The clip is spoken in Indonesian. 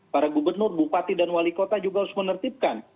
para gubernur bupati dan wali kota juga harus menertibkan